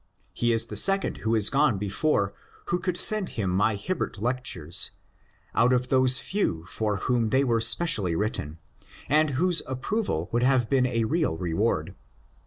He is the second who is gone before I could send him my [Hibbert] Lectures, out of those few for whom they were speciaUy written, and whose approval would have been a real reward.